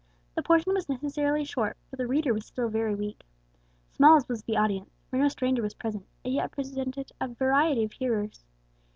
The portion was necessarily short, for the reader was still very weak. Small as was the audience for no stranger was present it yet represented a variety of hearers.